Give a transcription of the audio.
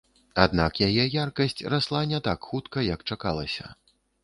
Аднак яе яркасць расла не так хутка, як чакалася.